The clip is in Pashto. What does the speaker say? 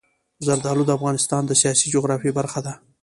زردالو د افغانستان د سیاسي جغرافیه برخه ده.